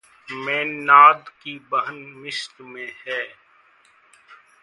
मेन्नाद की बहन मिस्र में है।